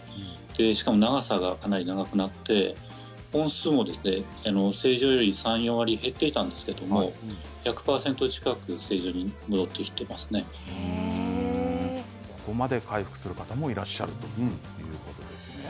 しかも長さがかなり長くなって本数も正常より３、４割減っていたんですけれど１００％近くここまで回復する方もいらっしゃるということですね。